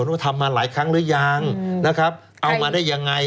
ว่าทำมาหลายครั้งหรือยังนะครับเอามาได้ยังไง